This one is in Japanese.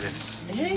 えっ！